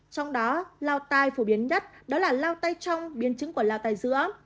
trong đó lao tai phổ biến nhất đó là lao tai trong biên chứng của lao tai giữa